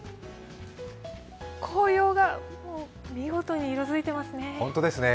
紅葉が見事に色づいてますね。